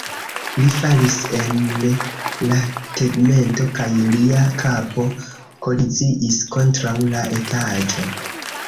Li falis el la tegmento kaj lia kapo koliziis kontraŭ la etaĝo.